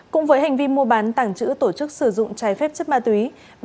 cũng với hành vi mua bán tàng trữ tổ chức sử dụng trái phép chất ma túy